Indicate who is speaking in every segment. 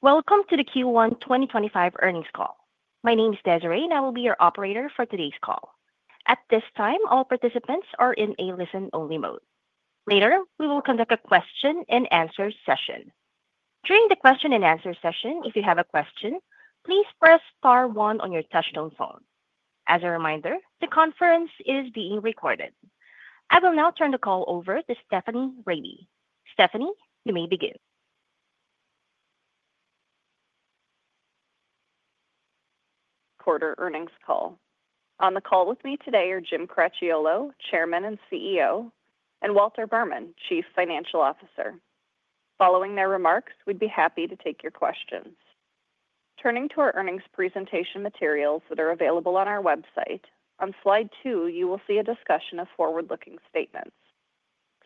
Speaker 1: Welcome to the Q1 2025 earnings call. My name is Desiree, and I will be your operator for today's call. At this time, all participants are in a listen-only mode. Later, we will conduct a question-and-answer session. During the question-and-answer session, if you have a question, please press star one on your touch-tone phone. As a reminder, the conference is being recorded. I will now turn the call over to Stephanie Rabe. Stephanie, you may begin.
Speaker 2: Quarter earnings call. On the call with me today are Jim Cracchiolo, Chairman and CEO, and Walter Berman, Chief Financial Officer. Following their remarks, we'd be happy to take your questions. Turning to our earnings presentation materials that are available on our website, on slide two, you will see a discussion of forward-looking statements.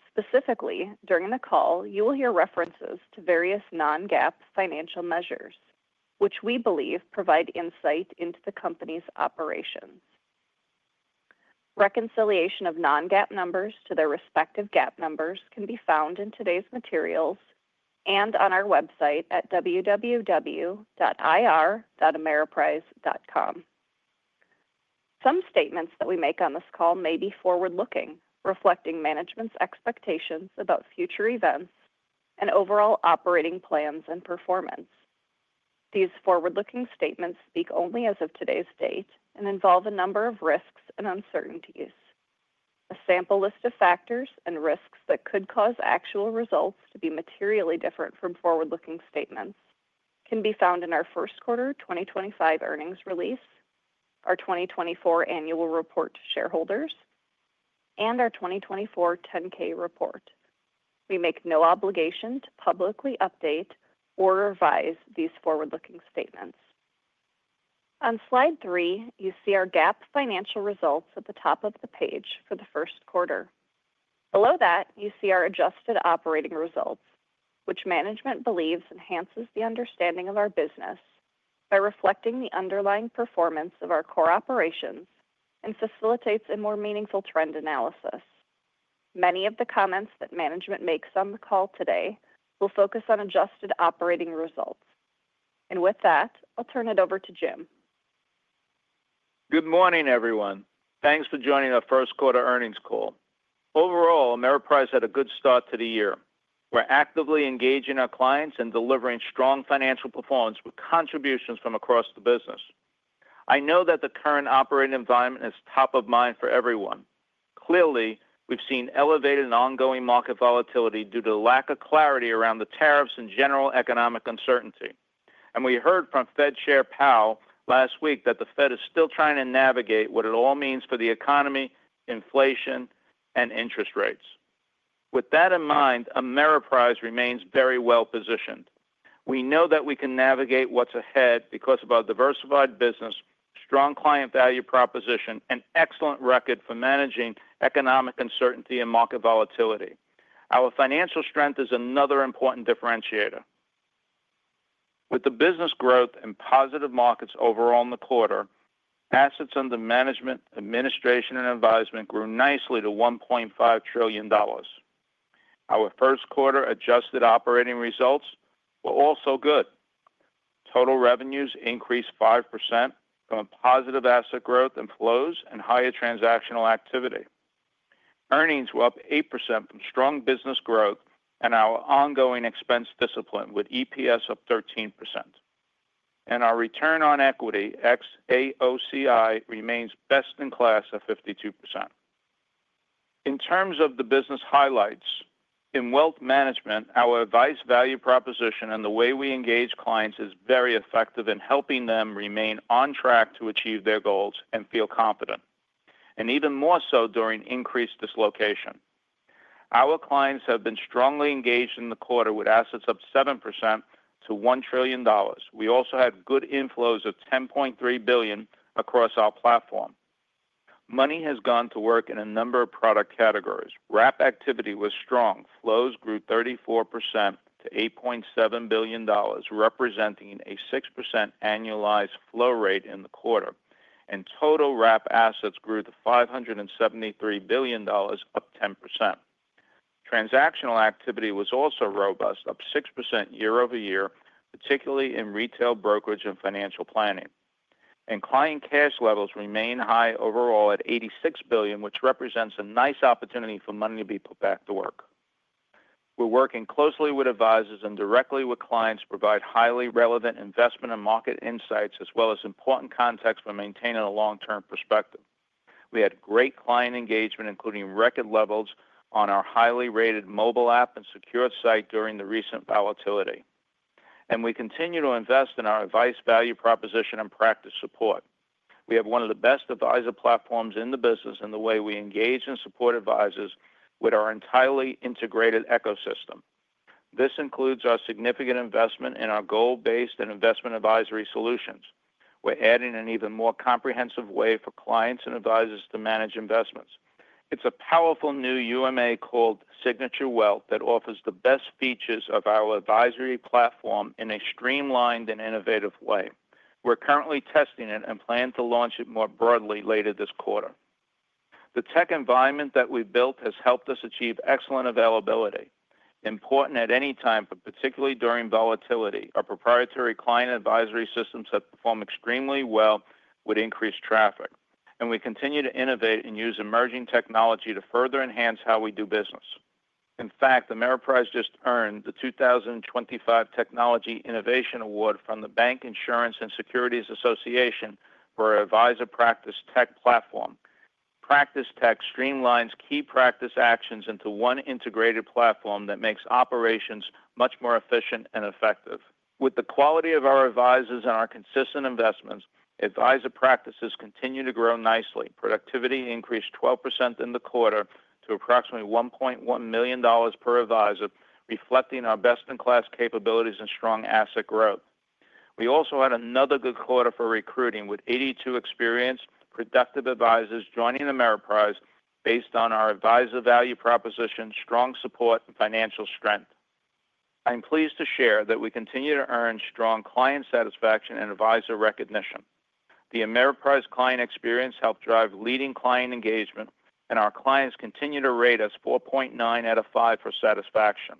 Speaker 2: Specifically, during the call, you will hear references to various non-GAAP financial measures, which we believe provide insight into the company's operations. Reconciliation of non-GAAP numbers to their respective GAAP numbers can be found in today's materials and on our website at www.ir.ameriprise.com. Some statements that we make on this call may be forward-looking, reflecting management's expectations about future events and overall operating plans and performance. These forward-looking statements speak only as of today's date and involve a number of risks and uncertainties. A sample list of factors and risks that could cause actual results to be materially different from forward-looking statements can be found in our first quarter 2025 earnings release, our 2024 annual report to shareholders, and our 2024 10-K report. We make no obligation to publicly update or revise these forward-looking statements. On slide three, you see our GAAP financial results at the top of the page for the first quarter. Below that, you see our adjusted operating results, which management believes enhances the understanding of our business by reflecting the underlying performance of our core operations and facilitates a more meaningful trend analysis. Many of the comments that management makes on the call today will focus on adjusted operating results. With that, I'll turn it over to Jim.
Speaker 3: Good morning, everyone. Thanks for joining our first quarter earnings call. Overall, Ameriprise had a good start to the year. We're actively engaging our clients and delivering strong financial performance with contributions from across the business. I know that the current operating environment is top of mind for everyone. Clearly, we've seen elevated and ongoing market volatility due to lack of clarity around the tariffs and general economic uncertainty. We heard from Fed Chair Powell last week that the Fed is still trying to navigate what it all means for the economy, inflation, and interest rates. With that in mind, Ameriprise remains very well positioned. We know that we can navigate what's ahead because of our diversified business, strong client value proposition, and excellent record for managing economic uncertainty and market volatility. Our financial strength is another important differentiator. With the business growth and positive markets overall in the quarter, assets under management, administration, and advisement grew nicely to $1.5 trillion. Our first quarter adjusted operating results were also good. Total revenues increased 5% from positive asset growth and flows and higher transactional activity. Earnings were up 8% from strong business growth and our ongoing expense discipline with EPS of 13%. Our return on equity, ex-AOCI, remains best in class at 52%. In terms of the business highlights, in wealth management, our advised value proposition and the way we engage clients is very effective in helping them remain on track to achieve their goals and feel confident, and even more so during increased dislocation. Our clients have been strongly engaged in the quarter with assets up 7% to $1 trillion. We also had good inflows of $10.3 billion across our platform. Money has gone to work in a number of product categories. Wrap activity was strong. Flows grew 34% to $8.7 billion, representing a 6% annualized flow rate in the quarter. Total Wrap assets grew to $573 billion, up 10%. Transactional activity was also robust, up 6% year over year, particularly in retail brokerage and financial planning. Client cash levels remain high overall at $86 billion, which represents a nice opportunity for money to be put back to work. We're working closely with advisors and directly with clients to provide highly relevant investment and market insights, as well as important context for maintaining a long-term perspective. We had great client engagement, including record levels on our highly rated mobile app and secure site during the recent volatility. We continue to invest in our advised value proposition and practice support. We have one of the best advisor platforms in the business in the way we engage and support advisors with our entirely integrated ecosystem. This includes our significant investment in our goal-based and investment advisory solutions. We're adding an even more comprehensive way for clients and advisors to manage investments. It's a powerful new UMA called Signature Wealth that offers the best features of our advisory platform in a streamlined and innovative way. We're currently testing it and plan to launch it more broadly later this quarter. The tech environment that we built has helped us achieve excellent availability. Important at any time, particularly during volatility, our proprietary client advisory systems have performed extremely well with increased traffic. We continue to innovate and use emerging technology to further enhance how we do business. In fact, Ameriprise just earned the 2025 Technology Innovation Award from the Bank Insurance and Securities Association for our advisor practice tech platform. Practice tech streamlines key practice actions into one integrated platform that makes operations much more efficient and effective. With the quality of our advisors and our consistent investments, advisor practices continue to grow nicely. Productivity increased 12% in the quarter to approximately $1.1 million per advisor, reflecting our best-in-class capabilities and strong asset growth. We also had another good quarter for recruiting with 82 experienced, productive advisors joining Ameriprise based on our advisor value proposition, strong support, and financial strength. I'm pleased to share that we continue to earn strong client satisfaction and advisor recognition. The Ameriprise client experience helped drive leading client engagement, and our clients continue to rate us 4.9 out of 5 for satisfaction.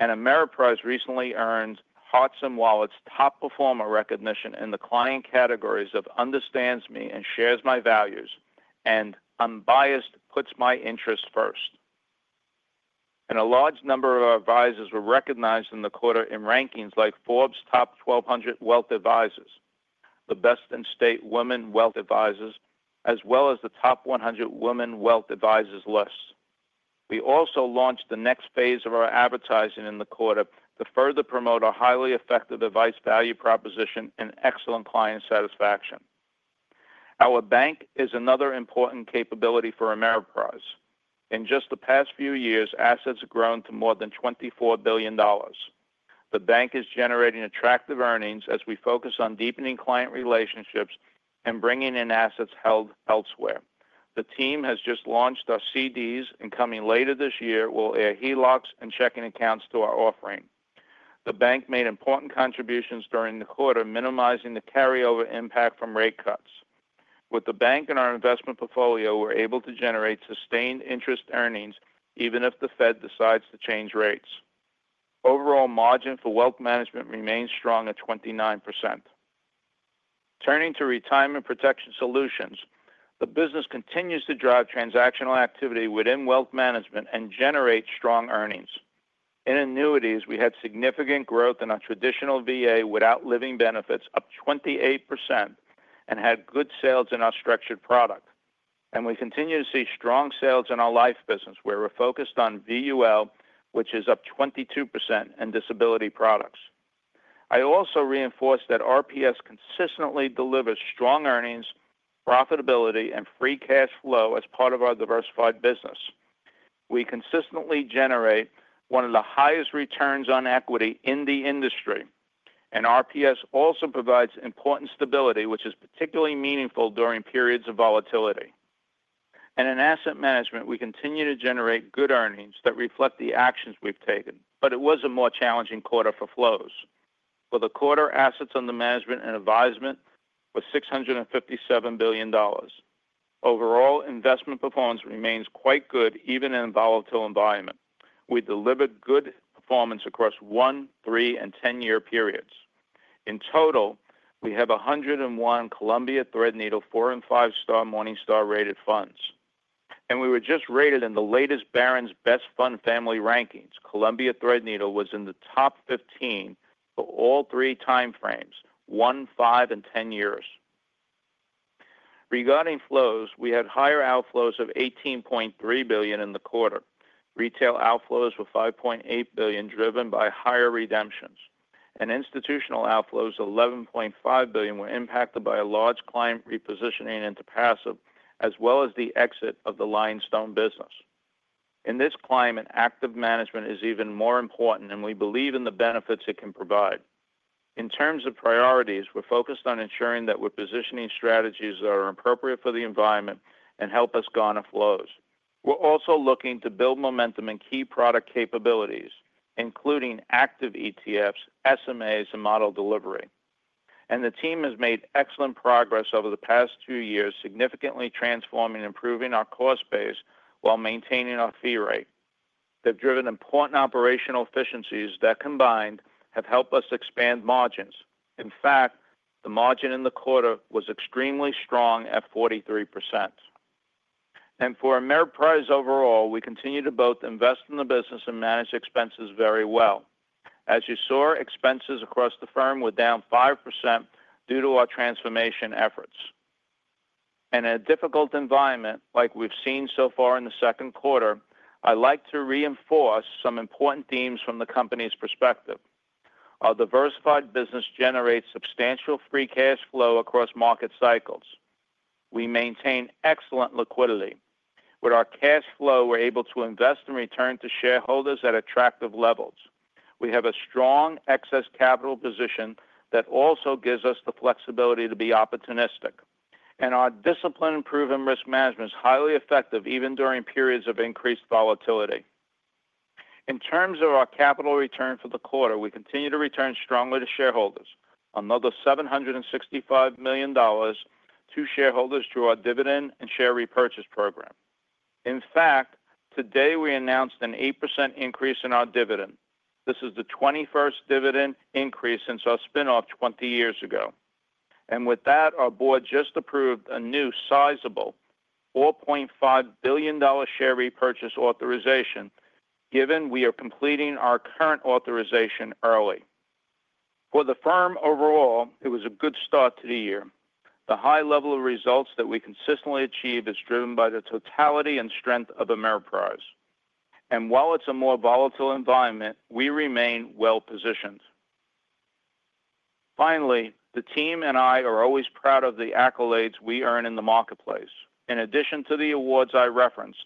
Speaker 3: Ameriprise recently earned Hearts & Wallets' top performer recognition in the client categories of "Understands Me" and "Shares My Values" and "Unbiased: Puts My Interests First." A large number of our advisors were recognized in the quarter in rankings like Forbes' top 1,200 wealth advisors, the Best in State Women Wealth Advisors, as well as the top 100 Women Wealth Advisors lists. We also launched the next phase of our advertising in the quarter to further promote our highly effective advised value proposition and excellent client satisfaction. Our bank is another important capability for Ameriprise. In just the past few years, assets have grown to more than $24 billion. The bank is generating attractive earnings as we focus on deepening client relationships and bringing in assets held elsewhere. The team has just launched our CDs, and coming later this year, we will add HELOCs and checking accounts to our offering. The bank made important contributions during the quarter, minimizing the carryover impact from rate cuts. With the bank and our investment portfolio, we're able to generate sustained interest earnings even if the Fed decides to change rates. Overall margin for wealth management remains strong at 29%. Turning to retirement protection solutions, the business continues to drive transactional activity within wealth management and generate strong earnings. In annuities, we had significant growth in our traditional VA without living benefits, up 28%, and had good sales in our structured product. We continue to see strong sales in our life business, where we're focused on VUL, which is up 22%, and disability products. I also reinforce that RPS consistently delivers strong earnings, profitability, and free cash flow as part of our diversified business. We consistently generate one of the highest returns on equity in the industry. RPS also provides important stability, which is particularly meaningful during periods of volatility. In asset management, we continue to generate good earnings that reflect the actions we've taken. It was a more challenging quarter for flows. With a quarter, assets under management and advisement was $657 billion. Overall, investment performance remains quite good even in a volatile environment. We delivered good performance across one, three, and ten-year periods. In total, we have 101 Columbia Threadneedle four and five-star Morningstar-rated funds. We were just rated in the latest Barron's Best Fund Family rankings. Columbia Threadneedle was in the top 15 for all three time frames, one, five, and ten years. Regarding flows, we had higher outflows of $18.3 billion in the quarter. Retail outflows were $5.8 billion, driven by higher redemptions. Institutional outflows, $11.5 billion, were impacted by a large client repositioning into passive, as well as the exit of the Lionstone business. In this climate, active management is even more important, and we believe in the benefits it can provide. In terms of priorities, we're focused on ensuring that we're positioning strategies that are appropriate for the environment and help us garner flows. We're also looking to build momentum in key product capabilities, including active ETFs, SMAs, and model delivery. The team has made excellent progress over the past two years, significantly transforming and improving our cost base while maintaining our fee rate. They've driven important operational efficiencies that, combined, have helped us expand margins. In fact, the margin in the quarter was extremely strong at 43%. For Ameriprise overall, we continue to both invest in the business and manage expenses very well. As you saw, expenses across the firm were down 5% due to our transformation efforts. In a difficult environment, like we've seen so far in the second quarter, I'd like to reinforce some important themes from the company's perspective. Our diversified business generates substantial free cash flow across market cycles. We maintain excellent liquidity. With our cash flow, we're able to invest and return to shareholders at attractive levels. We have a strong excess capital position that also gives us the flexibility to be opportunistic. Our discipline in proven risk management is highly effective even during periods of increased volatility. In terms of our capital return for the quarter, we continue to return strongly to shareholders. Another $765 million to shareholders through our dividend and share repurchase program. In fact, today we announced an 8% increase in our dividend. This is the 21st dividend increase since our spinoff 20 years ago. With that, our board just approved a new sizable $4.5 billion share repurchase authorization, given we are completing our current authorization early. For the firm overall, it was a good start to the year. The high level of results that we consistently achieve is driven by the totality and strength of Ameriprise. While it is a more volatile environment, we remain well positioned. Finally, the team and I are always proud of the accolades we earn in the marketplace. In addition to the awards I referenced,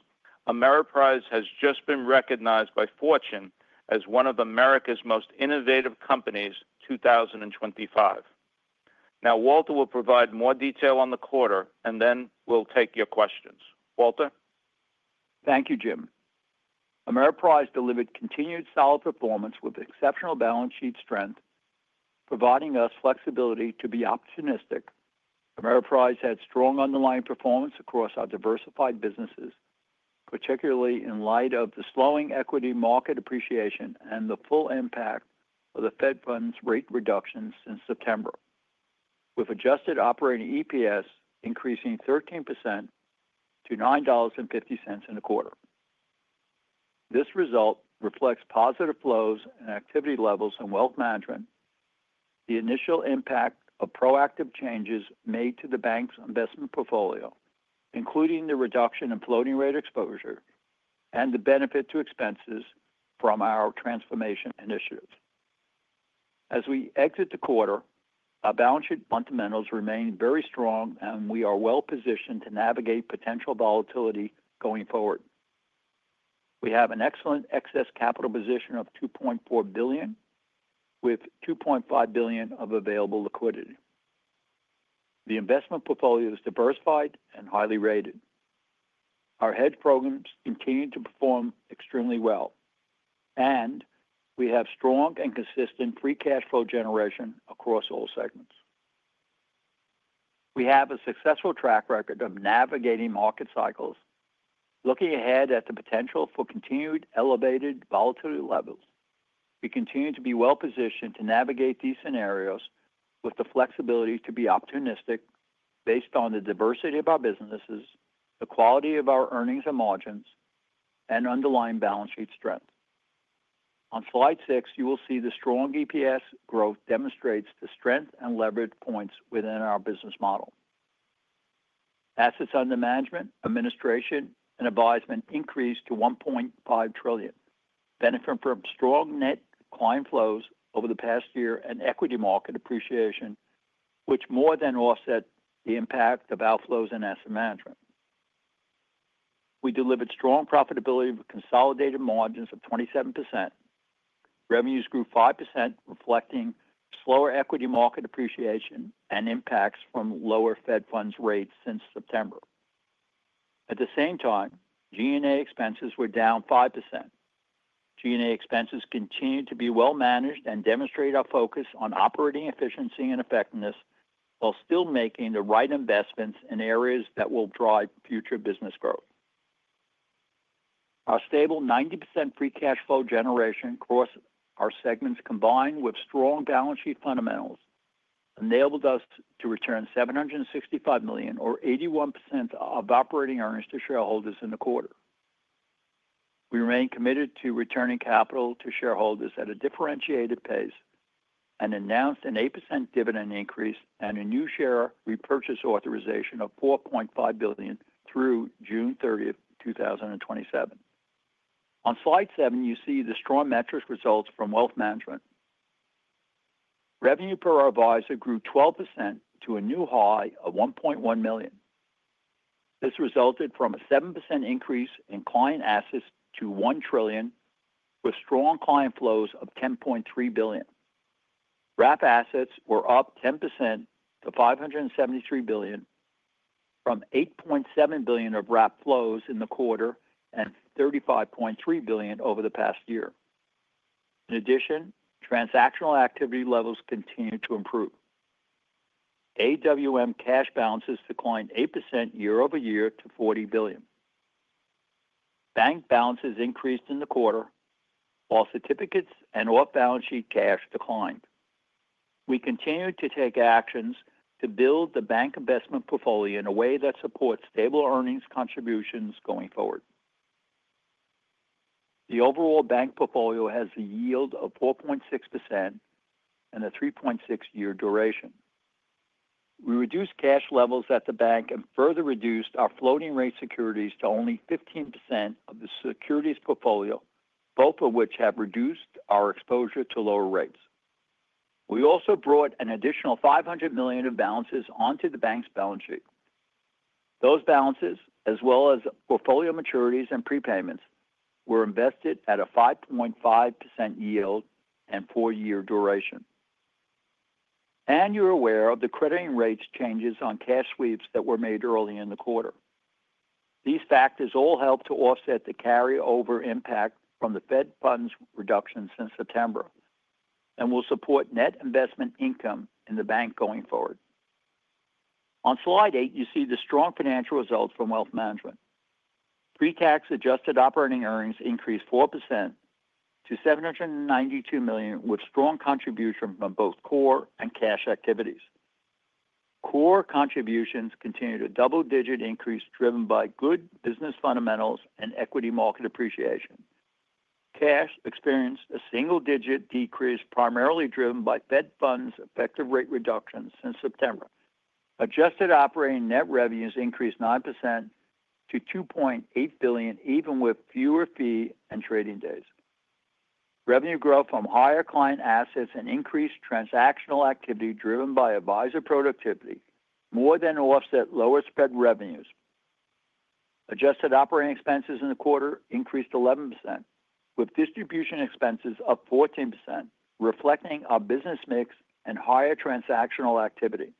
Speaker 3: Ameriprise has just been recognized by Fortune as one of America's most innovative companies 2025. Now, Walter will provide more detail on the quarter, and then we will take your questions. Walter?
Speaker 4: Thank you, Jim. Ameriprise delivered continued solid performance with exceptional balance sheet strength, providing us flexibility to be opportunistic. Ameriprise had strong underlying performance across our diversified businesses, particularly in light of the slowing equity market appreciation and the full impact of the Fed funds rate reduction since September, with adjusted operating EPS increasing 13% to $9.50 in the quarter. This result reflects positive flows and activity levels in wealth management, the initial impact of proactive changes made to the bank's investment portfolio, including the reduction in floating rate exposure, and the benefit to expenses from our transformation initiatives. As we exit the quarter, our balance sheet fundamentals remain very strong, and we are well positioned to navigate potential volatility going forward. We have an excellent excess capital position of $2.4 billion, with $2.5 billion of available liquidity. The investment portfolio is diversified and highly rated. Our hedge programs continue to perform extremely well, and we have strong and consistent free cash flow generation across all segments. We have a successful track record of navigating market cycles, looking ahead at the potential for continued elevated volatility levels. We continue to be well positioned to navigate these scenarios with the flexibility to be opportunistic based on the diversity of our businesses, the quality of our earnings and margins, and underlying balance sheet strength. On slide six, you will see the strong EPS growth demonstrates the strength and leverage points within our business model. Assets under management, administration, and advisement increased to $1.5 trillion, benefiting from strong net client flows over the past year and equity market appreciation, which more than offset the impact of outflows in asset management. We delivered strong profitability with consolidated margins of 27%. Revenues grew 5%, reflecting slower equity market appreciation and impacts from lower Fed funds rates since September. At the same time, G&A expenses were down 5%. G&A expenses continue to be well managed and demonstrate our focus on operating efficiency and effectiveness while still making the right investments in areas that will drive future business growth. Our stable 90% free cash flow generation across our segments, combined with strong balance sheet fundamentals, enabled us to return $765 million, or 81% of operating earnings, to shareholders in the quarter. We remain committed to returning capital to shareholders at a differentiated pace and announced an 8% dividend increase and a new share repurchase authorization of $4.5 billion through June 30, 2027. On slide seven, you see the strong metrics results from wealth management. Revenue per advisor grew 12% to a new high of $1.1 million. This resulted from a 7% increase in client assets to $1 trillion, with strong client flows of $10.3 billion. Wrap assets were up 10% to $573 billion, from $8.7 billion of wrap flows in the quarter and $35.3 billion over the past year. In addition, transactional activity levels continued to improve. AWM cash balances declined 8% year over year to $40 billion. Bank balances increased in the quarter, while certificates and off-balance sheet cash declined. We continue to take actions to build the bank investment portfolio in a way that supports stable earnings contributions going forward. The overall bank portfolio has a yield of 4.6% and a 3.6-year duration. We reduced cash levels at the bank and further reduced our floating rate securities to only 15% of the securities portfolio, both of which have reduced our exposure to lower rates. We also brought an additional $500 million of balances onto the bank's balance sheet. Those balances, as well as portfolio maturities and prepayments, were invested at a 5.5% yield and four-year duration. You are aware of the crediting rates changes on cash sweeps that were made early in the quarter. These factors all help to offset the carryover impact from the Fed funds reduction since September and will support net investment income in the bank going forward. On slide eight, you see the strong financial results from wealth management. Pre-tax adjusted operating earnings increased 4% to $792 million, with strong contribution from both core and cash activities. Core contributions continue to double-digit increase, driven by good business fundamentals and equity market appreciation. Cash experienced a single-digit decrease, primarily driven by Fed funds effective rate reduction since September. Adjusted operating net revenues increased 9% to $2.8 billion, even with fewer fee and trading days. Revenue growth from higher client assets and increased transactional activity, driven by advisor productivity, more than offset lower sweep revenues. Adjusted operating expenses in the quarter increased 11%, with distribution expenses up 14%, reflecting our business mix and higher transactional activity.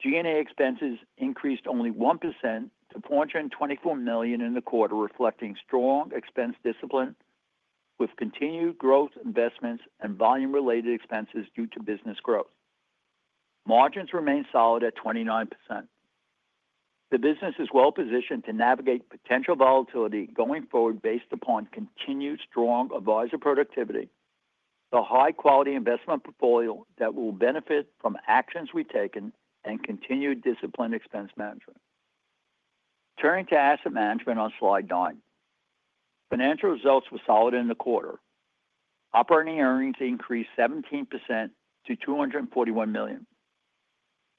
Speaker 4: G&A expenses increased only 1% to $424 million in the quarter, reflecting strong expense discipline, with continued growth investments and volume-related expenses due to business growth. Margins remain solid at 29%. The business is well positioned to navigate potential volatility going forward based upon continued strong advisor productivity, the high-quality investment portfolio that will benefit from actions we've taken, and continued disciplined expense management. Turning to asset management on slide nine, financial results were solid in the quarter. Operating earnings increased 17% to $241 million.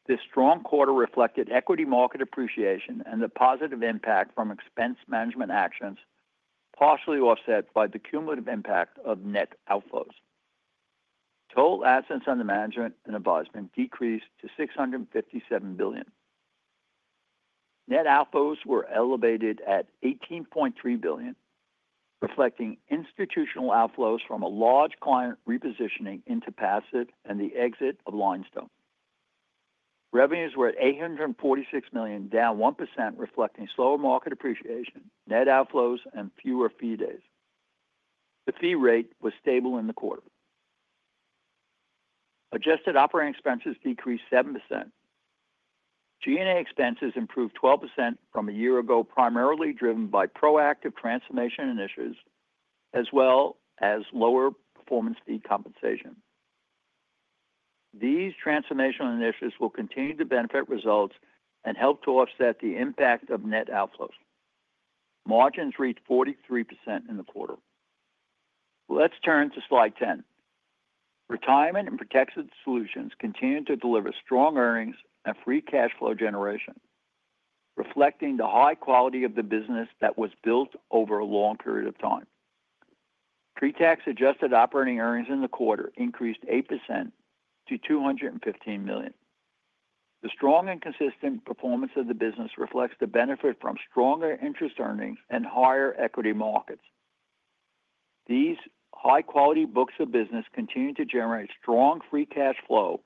Speaker 4: This strong quarter reflected equity market appreciation and the positive impact from expense management actions, partially offset by the cumulative impact of net outflows. Total assets under management and advisement decreased to $657 billion. Net outflows were elevated at $18.3 billion, reflecting institutional outflows from a large client repositioning into passive and the exit of Lionstone. Revenues were at $846 million, down 1%, reflecting slower market appreciation, net outflows, and fewer fee days. The fee rate was stable in the quarter. Adjusted operating expenses decreased 7%. G&A expenses improved 12% from a year ago, primarily driven by proactive transformation initiatives, as well as lower performance fee compensation. These transformational initiatives will continue to benefit results and help to offset the impact of net outflows. Margins reached 43% in the quarter. Let's turn to slide ten. Retirement and protected solutions continue to deliver strong earnings and free cash flow generation, reflecting the high quality of the business that was built over a long period of time. Pre-tax adjusted operating earnings in the quarter increased 8% to $215 million. The strong and consistent performance of the business reflects the benefit from stronger interest earnings and higher equity markets. These high-quality books of business continue to generate strong free cash flow,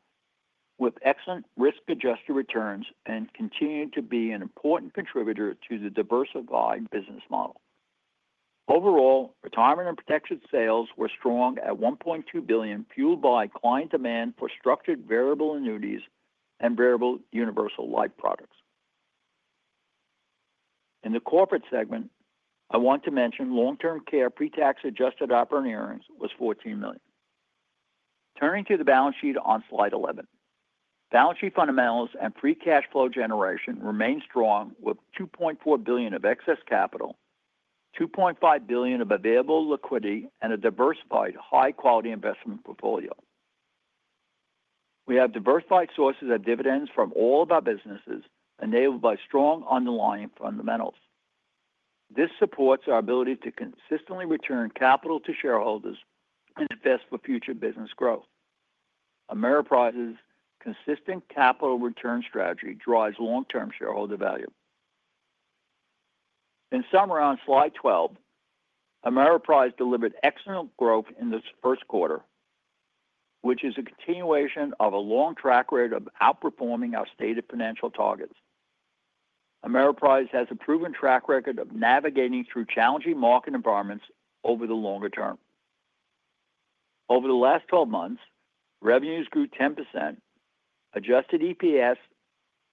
Speaker 4: with excellent risk-adjusted returns and continue to be an important contributor to the diversified business model. Overall, retirement and protected sales were strong at $1.2 billion, fueled by client demand for structured variable annuities and variable universal life products. In the corporate segment, I want to mention long-term care pre-tax adjusted operating earnings was $14 million. Turning to the balance sheet on slide 11, balance sheet fundamentals and free cash flow generation remain strong, with $2.4 billion of excess capital, $2.5 billion of available liquidity, and a diversified high-quality investment portfolio. We have diversified sources of dividends from all of our businesses, enabled by strong underlying fundamentals. This supports our ability to consistently return capital to shareholders and invest for future business growth. Ameriprise's consistent capital return strategy drives long-term shareholder value. In summary, on slide 12, Ameriprise delivered excellent growth in this first quarter, which is a continuation of a long track record of outperforming our stated financial targets. Ameriprise has a proven track record of navigating through challenging market environments over the longer term. Over the last 12 months, revenues grew 10%, adjusted EPS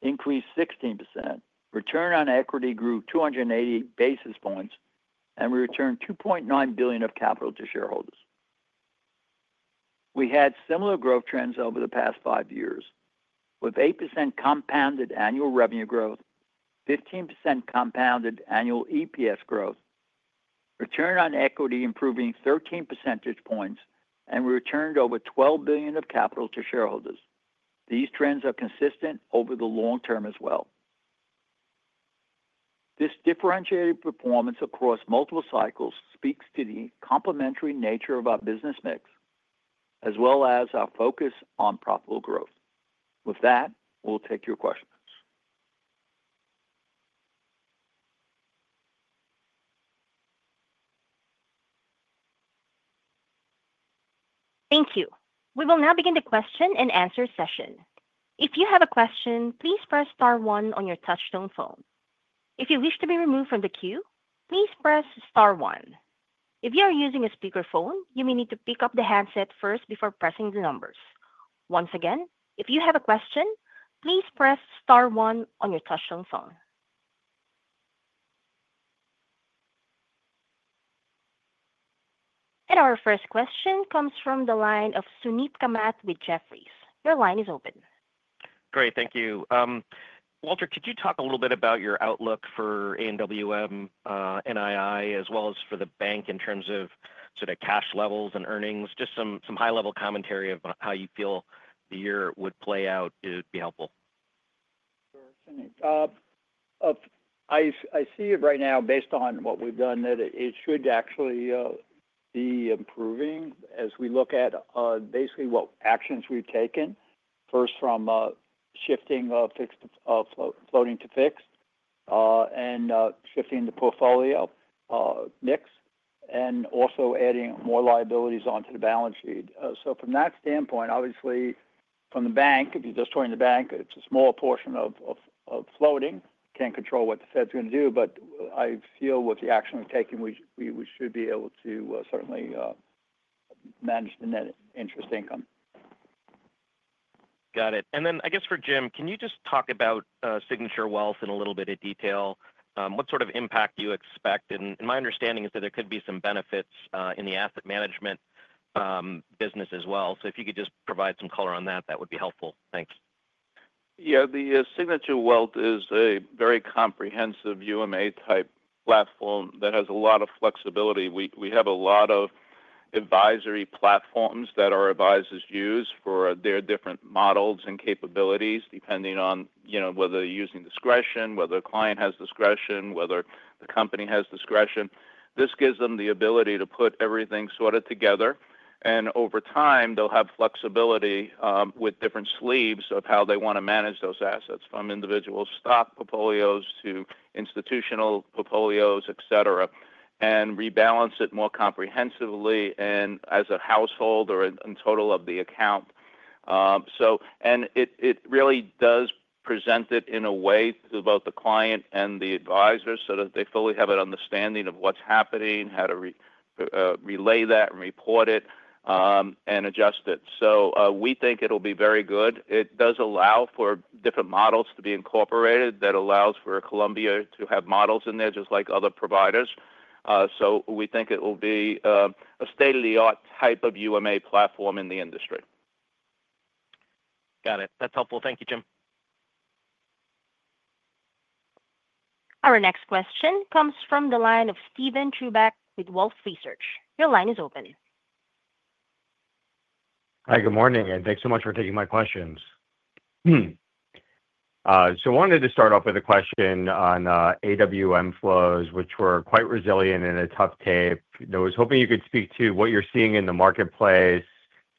Speaker 4: increased 16%, return on equity grew 280 basis points, and we returned $2.9 billion of capital to shareholders. We had similar growth trends over the past five years, with 8% compounded annual revenue growth, 15% compounded annual EPS growth, return on equity improving 13 percentage points, and we returned over $12 billion of capital to shareholders. These trends are consistent over the long term as well. This differentiated performance across multiple cycles speaks to the complementary nature of our business mix, as well as our focus on profitable growth. With that, we'll take your questions.
Speaker 1: Thank you. We will now begin the question and answer session. If you have a question, please press star one on your touch-tone phone. If you wish to be removed from the queue, please press star one. If you are using a speakerphone, you may need to pick up the handset first before pressing the numbers. Once again, if you have a question, please press star one on your touch-tone phone. Our first question comes from the line of Sundeep Kamath with Jefferies. Your line is open.
Speaker 5: Great. Thank you. Walter, could you talk a little bit about your outlook for A&WM NII, as well as for the bank in terms of sort of cash levels and earnings? Just some high-level commentary of how you feel the year would play out would be helpful.
Speaker 4: Sure. Sundeep, I see it right now, based on what we've done, that it should actually be improving as we look at basically what actions we've taken, first from shifting floating to fixed and shifting the portfolio mix and also adding more liabilities onto the balance sheet. From that standpoint, obviously, from the bank, if you're just joining the bank, it's a small portion of floating. Can't control what the Fed's going to do, but I feel with the action we're taking, we should be able to certainly manage the net interest income.
Speaker 5: Got it. I guess, for Jim, can you just talk about Signature Wealth in a little bit of detail? What sort of impact do you expect? My understanding is that there could be some benefits in the asset management business as well. If you could just provide some color on that, that would be helpful. Thanks.
Speaker 3: Yeah. The Signature Wealth is a very comprehensive UMA-type platform that has a lot of flexibility. We have a lot of advisory platforms that our advisors use for their different models and capabilities, depending on whether they're using discretion, whether a client has discretion, whether the company has discretion. This gives them the ability to put everything sort of together. Over time, they'll have flexibility with different sleeves of how they want to manage those assets, from individual stock portfolios to institutional portfolios, etc., and rebalance it more comprehensively as a household or a total of the account. It really does present it in a way to both the client and the advisor so that they fully have an understanding of what's happening, how to relay that and report it, and adjust it. We think it'll be very good. It does allow for different models to be incorporated. That allows for Columbia to have models in there, just like other providers. We think it will be a state-of-the-art type of UMA platform in the industry.
Speaker 5: Got it. That's helpful. Thank you, Jim.
Speaker 1: Our next question comes from the line of Steven Chubak with Wolfe Research. Your line is open.
Speaker 6: Hi. Good morning. Thanks so much for taking my questions. I wanted to start off with a question on AWM flows, which were quite resilient in a tough tape. I was hoping you could speak to what you're seeing in the marketplace,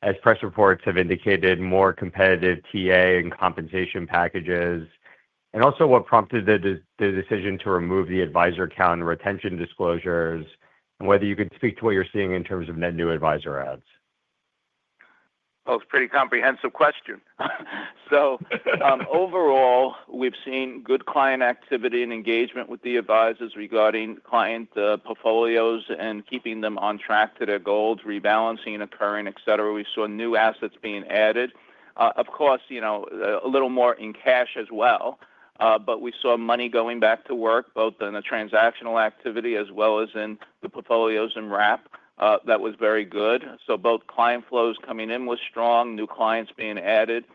Speaker 6: as press reports have indicated more competitive TA and compensation packages, and also what prompted the decision to remove the advisor account and retention disclosures, and whether you could speak to what you're seeing in terms of net new advisor ads.
Speaker 3: It's a pretty comprehensive question. Overall, we've seen good client activity and engagement with the advisors regarding client portfolios and keeping them on track to their goals, rebalancing occurring, etc. We saw new assets being added, of course, a little more in cash as well. We saw money going back to work, both in the transactional activity as well as in the portfolios and wrap. That was very good. Both client flows coming in were strong, new clients being added,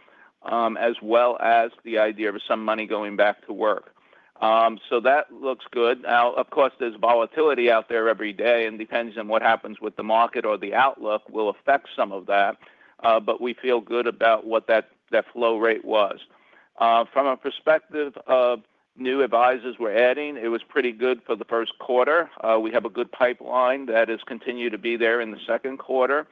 Speaker 3: as well as the idea of some money going back to work. That looks good. Of course, there's volatility out there every day, and depending on what happens with the market or the outlook, will affect some of that. We feel good about what that flow rate was. From a perspective of new advisors we're adding, it was pretty good for the first quarter. We have a good pipeline that has continued to be there in the second quarter.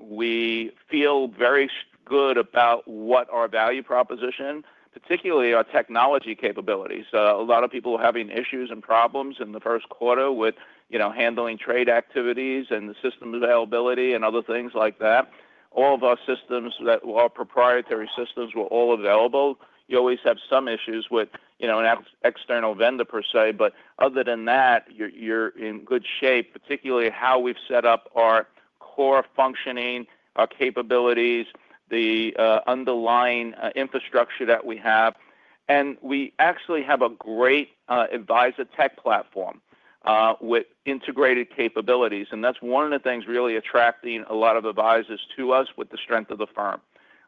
Speaker 3: We feel very good about what our value proposition, particularly our technology capabilities. A lot of people were having issues and problems in the first quarter with handling trade activities and the system availability and other things like that. All of our systems, all proprietary systems, were all available. You always have some issues with an external vendor, per se. Other than that, you're in good shape, particularly how we've set up our core functioning, our capabilities, the underlying infrastructure that we have. We actually have a great advisor tech platform with integrated capabilities. That's one of the things really attracting a lot of advisors to us with the strength of the firm.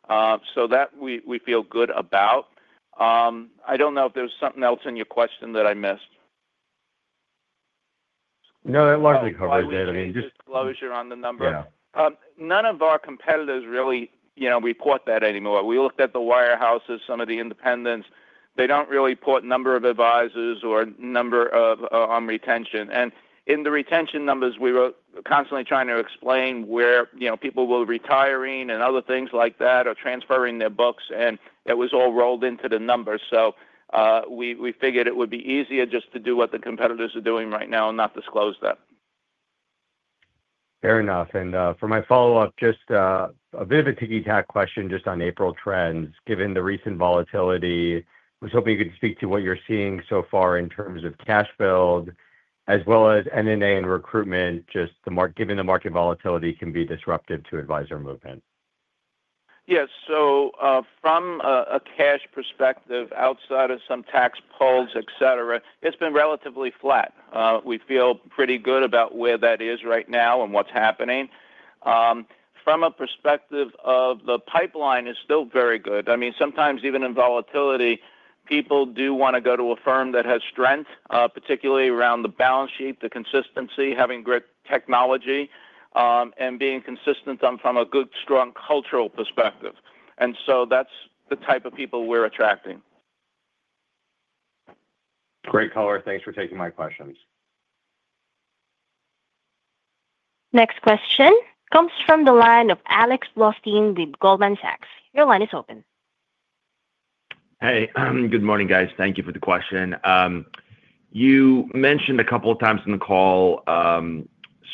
Speaker 3: That we feel good about. I don't know if there was something else in your question that I missed.
Speaker 6: No, that largely covers it. I mean, just.
Speaker 3: Disclosure on the number.
Speaker 6: Yeah.
Speaker 3: None of our competitors really report that anymore. We looked at the wirehouses, some of the independents. They do not really report number of advisors or number on retention. In the retention numbers, we were constantly trying to explain where people were retiring and other things like that or transferring their books. That was all rolled into the numbers. We figured it would be easier just to do what the competitors are doing right now and not disclose that.
Speaker 6: Fair enough. For my follow-up, just a bit of a ticky-tack question just on April trends. Given the recent volatility, I was hoping you could speak to what you're seeing so far in terms of cash build, as well as NNA and recruitment, just given the market volatility can be disruptive to advisor movement.
Speaker 3: Yes. From a cash perspective, outside of some tax polls, etc., it's been relatively flat. We feel pretty good about where that is right now and what's happening. From a perspective of the pipeline, it's still very good. I mean, sometimes, even in volatility, people do want to go to a firm that has strength, particularly around the balance sheet, the consistency, having great technology, and being consistent from a good, strong cultural perspective. That's the type of people we're attracting.
Speaker 6: Great color. Thanks for taking my questions.
Speaker 1: Next question comes from the line of Alex Blostein with Goldman Sachs. Your line is open.
Speaker 7: Hey. Good morning, guys. Thank you for the question. You mentioned a couple of times in the call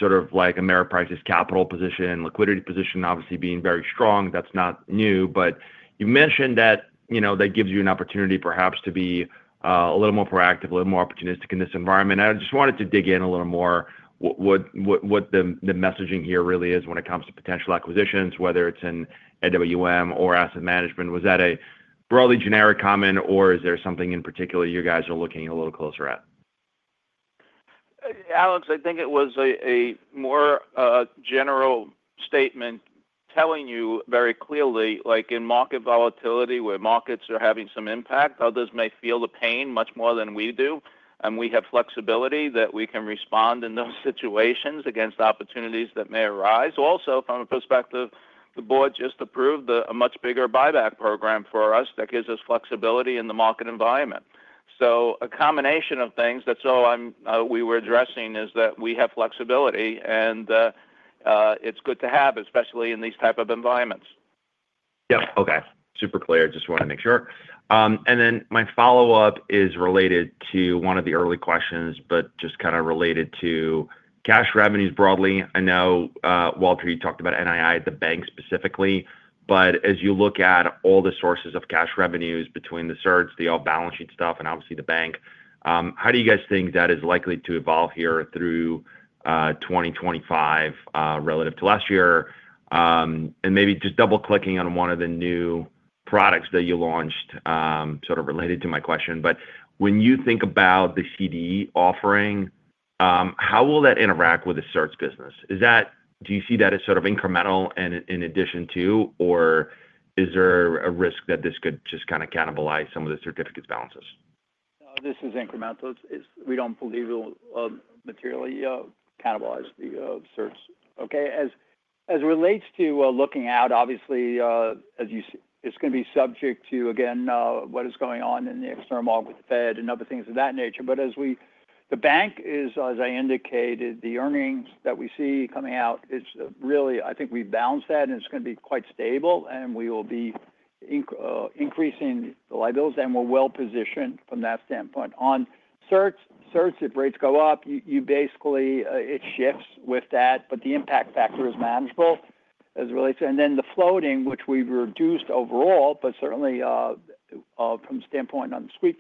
Speaker 7: sort of like Ameriprise's capital position, liquidity position, obviously being very strong. That's not new. You mentioned that that gives you an opportunity, perhaps, to be a little more proactive, a little more opportunistic in this environment. I just wanted to dig in a little more what the messaging here really is when it comes to potential acquisitions, whether it's in AWM or asset management. Was that a broadly generic comment, or is there something in particular you guys are looking a little closer at?
Speaker 3: Alex, I think it was a more general statement telling you very clearly, in market volatility, where markets are having some impact, others may feel the pain much more than we do. We have flexibility that we can respond in those situations against opportunities that may arise. Also, from a perspective, the board just approved a much bigger buyback program for us that gives us flexibility in the market environment. A combination of things that we were addressing is that we have flexibility, and it's good to have, especially in these types of environments.
Speaker 7: Yep. Okay. Super clear. Just wanted to make sure. My follow-up is related to one of the early questions, just kind of related to cash revenues broadly. I know, Walter, you talked about NII, the bank specifically. As you look at all the sources of cash revenues between the certs, the off-balance sheet stuff, and obviously the bank, how do you guys think that is likely to evolve here through 2025 relative to last year? Maybe just double-clicking on one of the new products that you launched, sort of related to my question. When you think about the CDs offering, how will that interact with the certs business? Do you see that as sort of incremental in addition to, or is there a risk that this could just kind of cannibalize some of the certificates' balances?
Speaker 4: This is incremental. We do not believe it will materially cannibalize the certs. Okay. As it relates to looking out, obviously, it is going to be subject to, again, what is going on in the external market with the Fed and other things of that nature. The bank is, as I indicated, the earnings that we see coming out, it is really, I think we have balanced that, and it is going to be quite stable. We will be increasing the liabilities. We are well-positioned from that standpoint. On certs, if rates go up, it shifts with that. The impact factor is manageable as it relates to. The floating, which we have reduced overall, but certainly from the standpoint on the sweep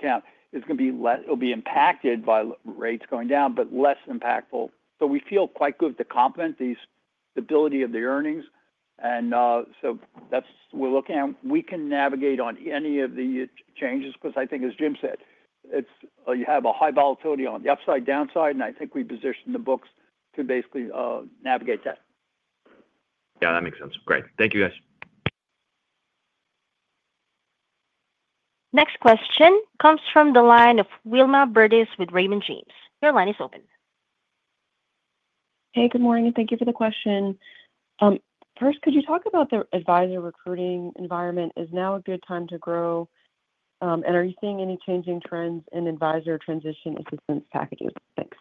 Speaker 4: account, it will be impacted by rates going down, but less impactful. We feel quite good to complement the stability of the earnings. That is what we are looking at. We can navigate on any of the changes because I think, as Jim said, you have a high volatility on the upside, downside. I think we positioned the books to basically navigate that.
Speaker 7: Yeah. That makes sense. Great. Thank you, guys.
Speaker 1: Next question comes from the line of Wilma Burdis with Raymond James. Your line is open.
Speaker 8: Hey. Good morning. Thank you for the question. First, could you talk about the advisor recruiting environment? Is now a good time to grow? Are you seeing any changing trends in advisor transition assistance packages? Thanks.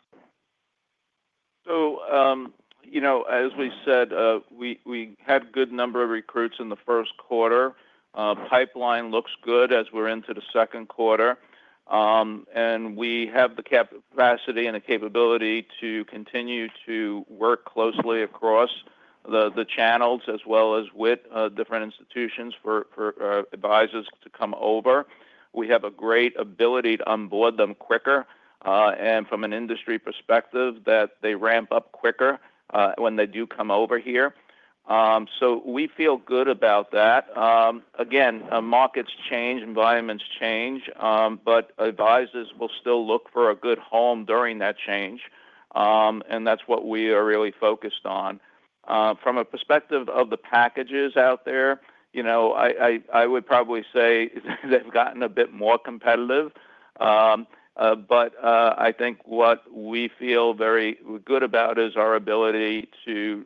Speaker 3: As we said, we had a good number of recruits in the first quarter. Pipeline looks good as we're into the second quarter. We have the capacity and the capability to continue to work closely across the channels, as well as with different institutions for advisors to come over. We have a great ability to onboard them quicker and from an industry perspective that they ramp up quicker when they do come over here. We feel good about that. Again, markets change, environments change, but advisors will still look for a good home during that change. That is what we are really focused on. From a perspective of the packages out there, I would probably say they've gotten a bit more competitive. I think what we feel very good about is our ability to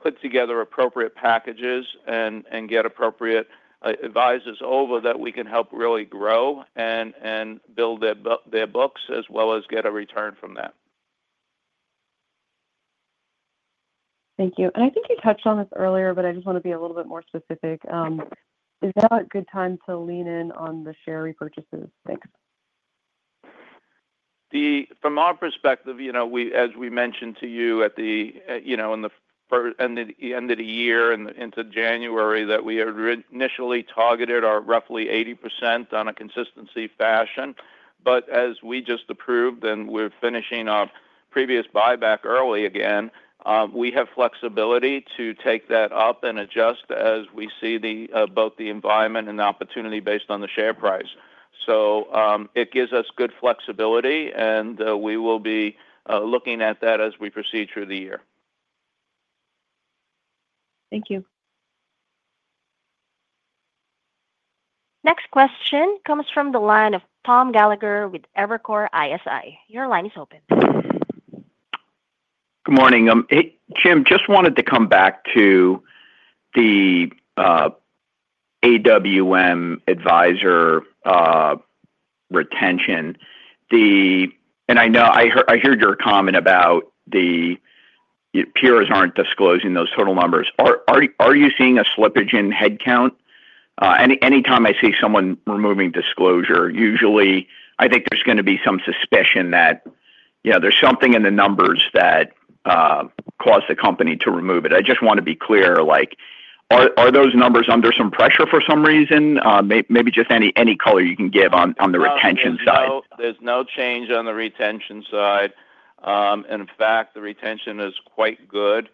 Speaker 3: put together appropriate packages and get appropriate advisors over that we can help really grow and build their books, as well as get a return from that.
Speaker 8: Thank you. I think you touched on this earlier, but I just want to be a little bit more specific. Is now a good time to lean in on the share repurchases? Thanks.
Speaker 3: From our perspective, as we mentioned to you at the end of the year and into January, that we had initially targeted our roughly 80% on a consistency fashion. As we just approved and we're finishing our previous buyback early again, we have flexibility to take that up and adjust as we see both the environment and the opportunity based on the share price. It gives us good flexibility. We will be looking at that as we proceed through the year.
Speaker 8: Thank you.
Speaker 1: Next question comes from the line ofI Tom Gallagher with Evercore ISI. Your line is open.
Speaker 9: Good morning. Hey, Jim. Just wanted to come back to the AWM advisor retention. I heard your comment about the peers are not disclosing those total numbers. Are you seeing a slippage in headcount? Anytime I see someone removing disclosure, usually, I think there is going to be some suspicion that there is something in the numbers that caused the company to remove it. I just want to be clear. Are those numbers under some pressure for some reason? Maybe just any color you can give on the retention side.
Speaker 3: There's no change on the retention side. In fact, the retention is quite good.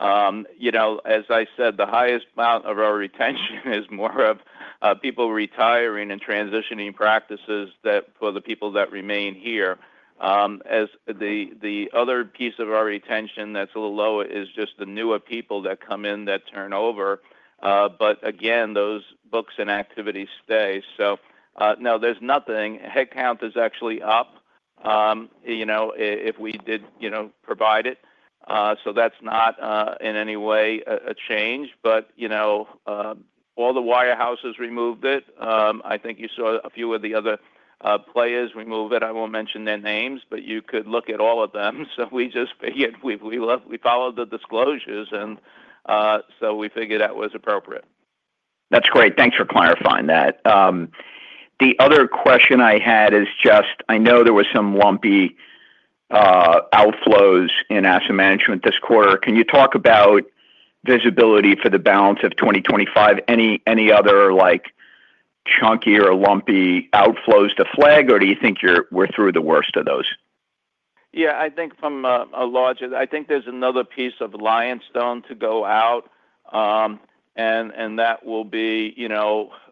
Speaker 3: As I said, the highest amount of our retention is more of people retiring and transitioning practices for the people that remain here. The other piece of our retention that's a little lower is just the newer people that come in that turn over. Again, those books and activities stay. No, there's nothing. Headcount is actually up if we did provide it. That's not in any way a change. All the wirehouses removed it. I think you saw a few of the other players remove it. I won't mention their names, but you could look at all of them. We just figured we followed the disclosures. We figured that was appropriate.
Speaker 9: That's great. Thanks for clarifying that. The other question I had is just I know there were some lumpy outflows in asset management this quarter. Can you talk about visibility for the balance of 2025? Any other chunky or lumpy outflows to flag, or do you think we're through the worst of those?
Speaker 3: Yeah. I think from a larger, I think there's another piece of a lion's stone to go out. That will be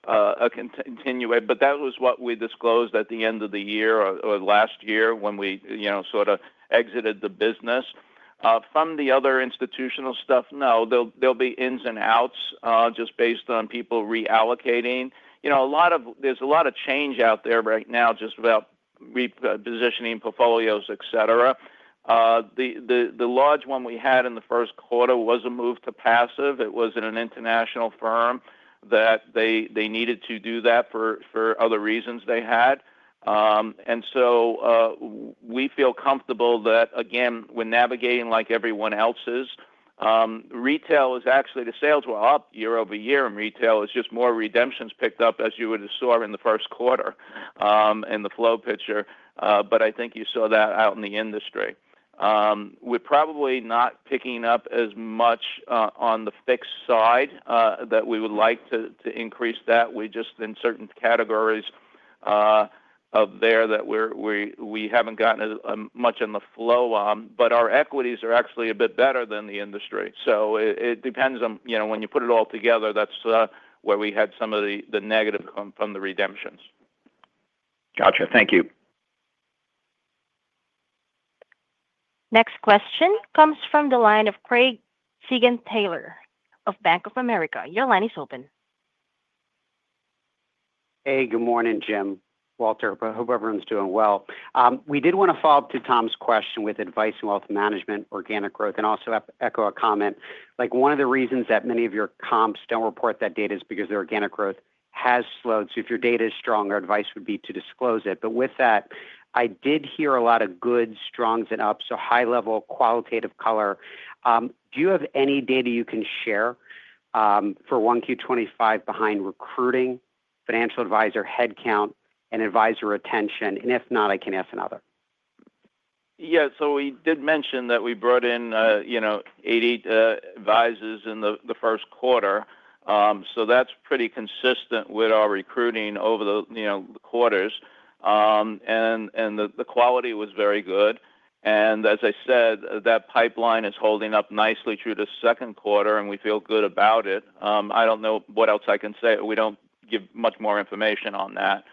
Speaker 3: a continuation. That was what we disclosed at the end of the year or last year when we sort of exited the business. From the other institutional stuff, no. There'll be ins and outs just based on people reallocating. There's a lot of change out there right now just about repositioning portfolios, etc. The large one we had in the first quarter was a move to passive. It was in an international firm that they needed to do that for other reasons they had. We feel comfortable that, again, we're navigating like everyone else is. Retail is actually, the sales were up year over year. Retail is just more redemptions picked up, as you would have saw in the first quarter in the flow picture. I think you saw that out in the industry. We're probably not picking up as much on the fixed side that we would like to increase that. We just, in certain categories out there that we haven't gotten much in the flow on. Our equities are actually a bit better than the industry. It depends on when you put it all together, that's where we had some of the negative from the redemptions.
Speaker 9: Gotcha. Thank you.
Speaker 1: Next question comes from the line of Craig Siegenthaler of Bank of America. Your line is open.
Speaker 10: Hey. Good morning, Jim. Walter, I hope everyone's doing well. We did want to follow up to Tom's question with advice on wealth management, organic growth, and also echo a comment. One of the reasons that many of your comps do not report that data is because their organic growth has slowed. If your data is strong, our advice would be to disclose it. With that, I did hear a lot of good, strongs and ups, so high-level qualitative color. Do you have any data you can share for 1Q25 behind recruiting, financial advisor headcount, and advisor retention? If not, I can ask another.
Speaker 3: Yeah. We did mention that we brought in 88 advisors in the first quarter. That is pretty consistent with our recruiting over the quarters. The quality was very good. As I said, that pipeline is holding up nicely through the second quarter, and we feel good about it. I do not know what else I can say. We do not give much more information on that.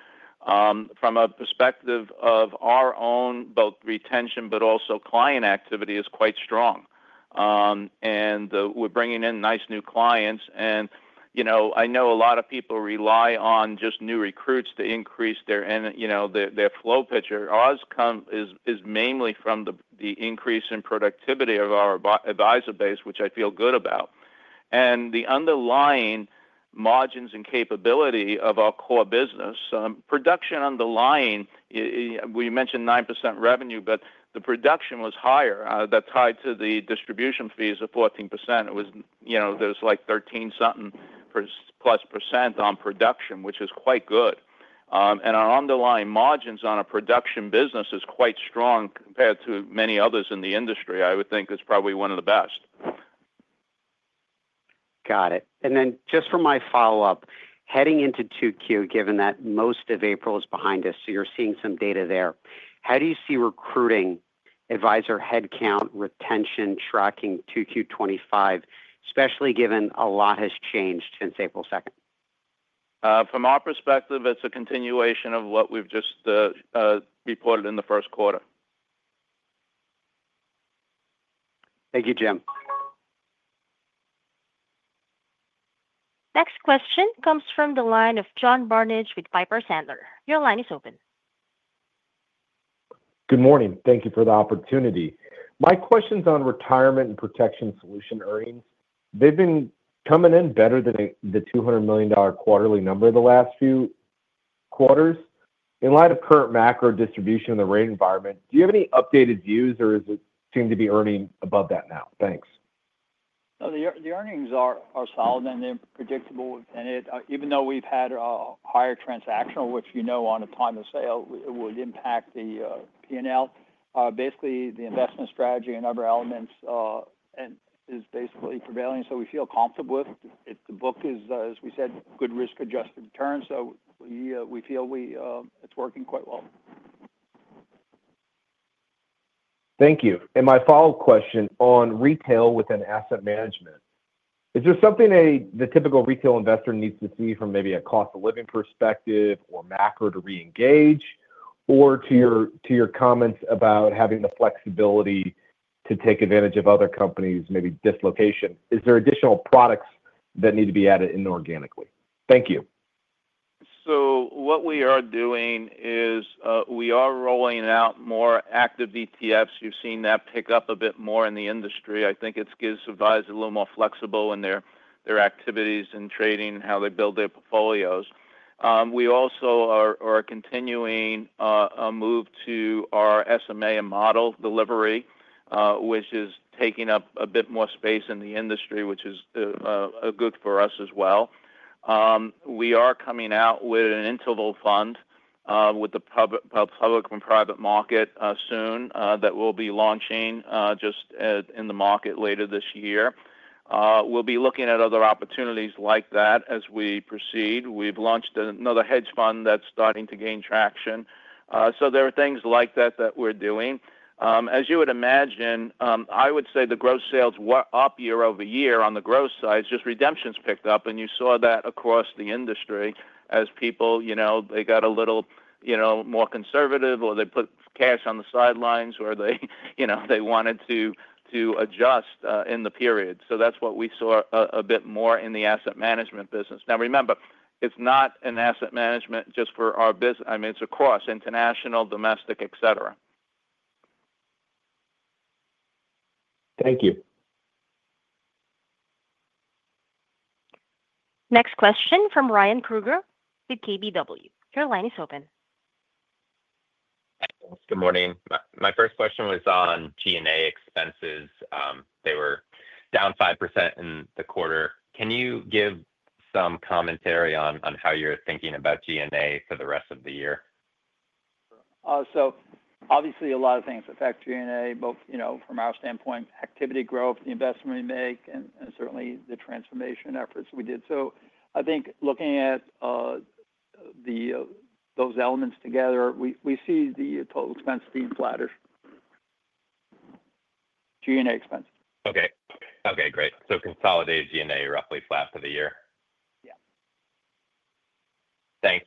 Speaker 3: From a perspective of our own, both retention but also client activity is quite strong. We are bringing in nice new clients. I know a lot of people rely on just new recruits to increase their flow picture. Ours is mainly from the increase in productivity of our advisor base, which I feel good about, and the underlying margins and capability of our core business. Production underlying, we mentioned 9% revenue, but the production was higher. That tied to the distribution fees of 14%. It was like 13-something plus % on production, which is quite good. And our underlying margins on a production business is quite strong compared to many others in the industry. I would think it's probably one of the best.
Speaker 10: Got it. For my follow-up, heading into 2Q, given that most of April is behind us, you are seeing some data there. How do you see recruiting, advisor headcount, retention, tracking 2Q 2025, especially given a lot has changed since April 2?
Speaker 3: From our perspective, it's a continuation of what we've just reported in the first quarter.
Speaker 10: Thank you, Jim.
Speaker 1: Next question comes from the line of John Barnidge with Piper Sandler. Your line is open.
Speaker 11: Good morning. Thank you for the opportunity. My question's on retirement and protection solution earnings. They've been coming in better than the $200 million quarterly number the last few quarters. In light of current macro distribution in the rate environment, do you have any updated views, or does it seem to be earning above that now? Thanks.
Speaker 4: No, the earnings are solid, and they're predictable. Even though we've had a higher transactional, which you know on a time of sale, it would impact the P&L, basically the investment strategy and other elements is basically prevailing. We feel comfortable with it. The book is, as we said, good risk-adjusted return. We feel it's working quite well.
Speaker 11: Thank you. My follow-up question on retail within asset management. Is there something the typical retail investor needs to see from maybe a cost-of-living perspective or macro to re-engage or to your comments about having the flexibility to take advantage of other companies, maybe dislocation? Is there additional products that need to be added inorganically? Thank you.
Speaker 3: What we are doing is we are rolling out more active ETFs. You've seen that pick up a bit more in the industry. I think it gives advisors a little more flexible in their activities and trading and how they build their portfolios. We also are continuing a move to our SMA model delivery, which is taking up a bit more space in the industry, which is good for us as well. We are coming out with an interval fund with the public and private market soon that we'll be launching just in the market later this year. We'll be looking at other opportunities like that as we proceed. We've launched another hedge fund that's starting to gain traction. There are things like that that we're doing. As you would imagine, I would say the gross sales were up year over year on the gross side. Redemptions picked up. You saw that across the industry as people, they got a little more conservative, or they put cash on the sidelines, or they wanted to adjust in the period. That is what we saw a bit more in the asset management business. Now, remember, it is not asset management just for our business. I mean, it is across international, domestic, etc.
Speaker 11: Thank you.
Speaker 1: Next question from Ryan Krueger with KBW. Your line is open.
Speaker 12: Good morning. My first question was on G&A expenses. They were down 5% in the quarter. Can you give some commentary on how you're thinking about G&A for the rest of the year?
Speaker 4: Obviously, a lot of things affect G&A, both from our standpoint, activity growth, the investment we make, and certainly the transformation efforts we did. I think looking at those elements together, we see the total expense being flattered. G&A expenses.
Speaker 12: Okay. Okay. Great. So consolidated G&A roughly flat for the year?
Speaker 4: Yeah.
Speaker 12: Thanks.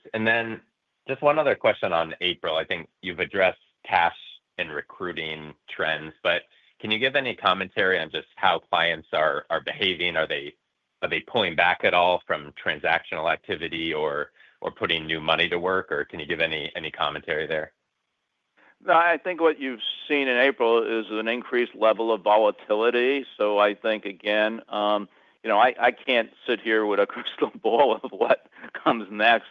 Speaker 12: Just one other question on April. I think you've addressed cash and recruiting trends. Can you give any commentary on just how clients are behaving? Are they pulling back at all from transactional activity or putting new money to work? Can you give any commentary there?
Speaker 3: No. I think what you've seen in April is an increased level of volatility. I think, again, I can't sit here with a crystal ball of what comes next.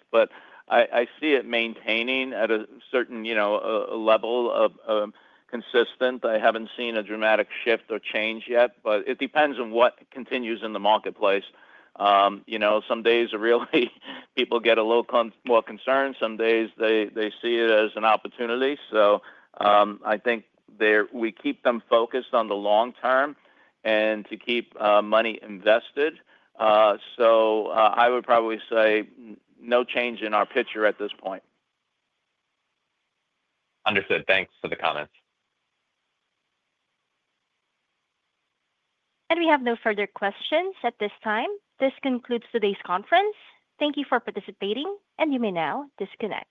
Speaker 3: I see it maintaining at a certain level of consistent. I haven't seen a dramatic shift or change yet. It depends on what continues in the marketplace. Some days people get a little more concerned. Some days they see it as an opportunity. I think we keep them focused on the long term and to keep money invested. I would probably say no change in our picture at this point.
Speaker 12: Understood. Thanks for the comments.
Speaker 1: We have no further questions at this time. This concludes today's conference. Thank you for participating, and you may now disconnect.